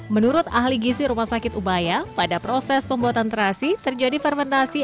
menurut ahli gisi rumah sakit ubaya pada proses pembuatan terasi terjadi fermentasi